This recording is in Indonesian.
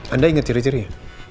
anda ingat ciri ciri ya